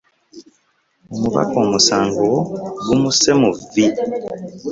Omubaka omusango gumusse muvvi.